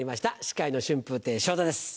司会の春風亭昇太です。